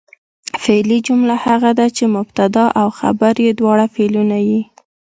فعلي جمله هغه ده، چي مبتدا او خبر ئې دواړه فعلونه يي.